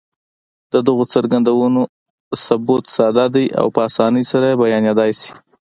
د دغو څرګندونو ثبوت ساده دی او په اسانۍ سره بيانېدلای شي.